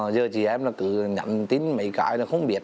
giờ chị em cứ nhận tin mấy cái là không biết